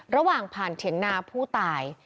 ระหว่างผ่านเถียงนาผู้ตาย